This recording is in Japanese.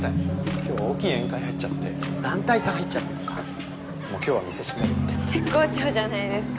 今日大きい宴会入っちゃって団体さん入っちゃってさもう今日は店閉めるって絶好調じゃないですか